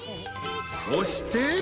［そして］